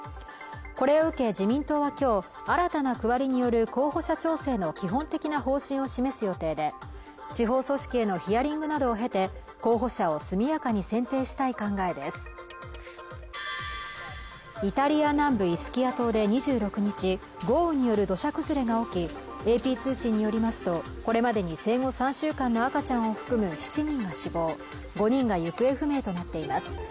これを受け自民党は今日新たな区割りによる候補者調整の基本的な方針を示す予定で地方組織へのヒアリングなどを経て候補者を速やかに選定したい考えですイタリア南部イスキア島で２６日豪雨による土砂崩れが起きＡＰ通信によりますとこれまでに生後３週間の赤ちゃんを含む７人が死亡５人が行方不明となっています